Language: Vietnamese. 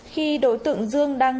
khi đối tượng dương đã bị bắt giữ